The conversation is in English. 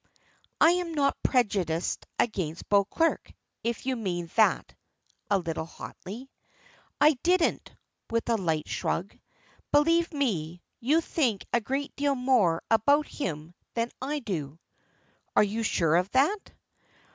"I am not prejudiced against Beauclerk, if you mean that," a little hotly. "I didn't," with a light shrug. "Believe me, you think a great deal more about him than I do." "Are you sure of that?"